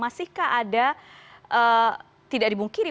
masihkah ada tidak dibungkiri